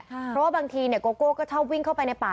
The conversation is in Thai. เพราะว่าบางทีโกโก้ก็ชอบวิ่งเข้าไปในป่า